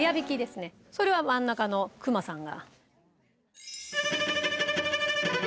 それは真ん中のクマさんが。